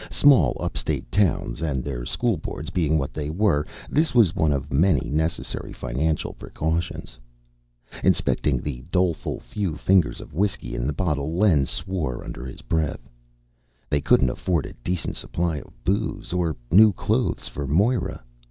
Small upstate towns and their school boards being what they were, this was one of many necessary financial precautions. Inspecting the doleful few fingers of whisky in the bottle, Len swore under his breath. They couldn't afford a decent supply of booze or new clothes for Moira.